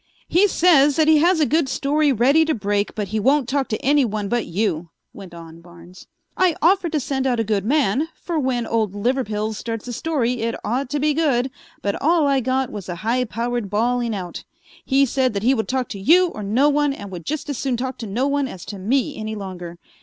"He says that he has a good story ready to break but he won't talk to anyone but you," went on Barnes. "I offered to send out a good man, for when Old Liverpills starts a story it ought to be good, but all I got was a high powered bawling out. He said that he would talk to you or no one and would just as soon talk to no one as to me any longer.